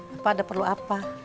bapak ada perlu apa